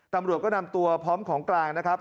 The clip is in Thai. ตำรวจก็นำตัวพร้อมของกลางนะครับ